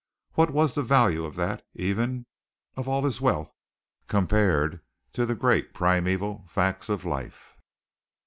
What was the value of that, even, of all his wealth, compared to the great primeval facts of life?